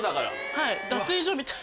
はい。